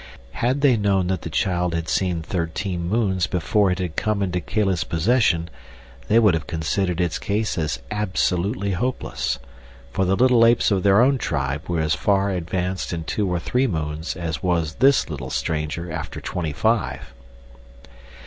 Had they known that the child had seen thirteen moons before it had come into Kala's possession they would have considered its case as absolutely hopeless, for the little apes of their own tribe were as far advanced in two or three moons as was this little stranger after twenty five.